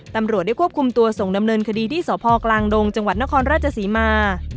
ตำรวจได้ควบคุมตัวส่งดำเนินคดีที่สพกลางดงจังหวัดนครราชศรีมา